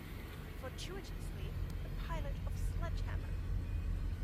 Fortuitously, the pilot of Sledge Hammer!